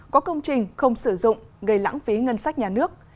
có công trình không sử dụng gây lãng phí ngân sách nhà nước